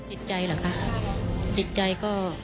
อิดใจหรือค่ะอิดใจก็